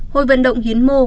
hội vận động hiến mô